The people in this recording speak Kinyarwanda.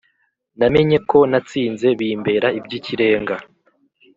Namenye ko natsinze Bimbera iby’ikirenga